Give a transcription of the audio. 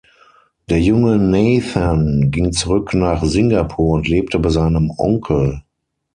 Der junge Nathan ging zurück nach Singapur und lebte bei seinem Onkel.